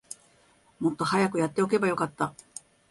もっと早くやっておけばよかった